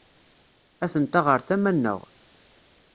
Atent-a ɣer tama-nneɣ.